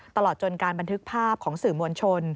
ตลอดจนการบันทึกภาพของสื่อมวลชน